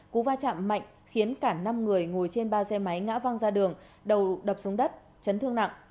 cú va chạm mạnh khiến cả năm người ngồi trên ba xe máy ngã văng ra đường đầu đập xuống đất chấn thương nặng